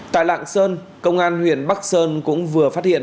tại lạng sơn công an huyện bắc sơn cũng vừa phát hiện